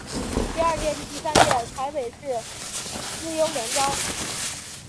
第二届至第三届采北市资优联招。